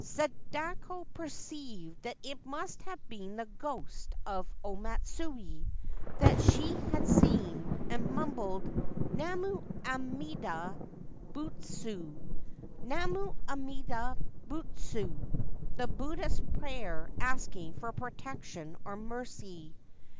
Sadako perceived that it must have been the ghost of O Matsue that she had seen, and mumbled * Namu Amida Butsu ; Namu Amida Butsu,' the Buddhist prayer asking for protection or mercy.